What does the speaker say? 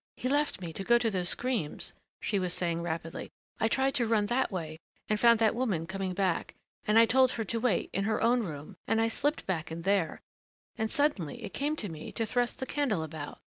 "He left me, to go to those screams," she was saying rapidly. "I tried to run that way and found that woman coming back. And I told her to wait in her own room and I slipped back in there and suddenly it came to me to thrust the candle about.